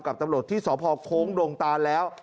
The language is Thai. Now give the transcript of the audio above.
กับตำรวจที่สพโค้งโรงตาแล้ว